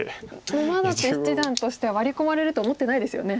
多分沼舘七段としてはワリ込まれると思ってないですよね。